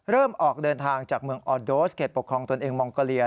เริ่มออกเดินทางจากเมืองออดโดสเก็บปกครองตัวเองมองกาเลีย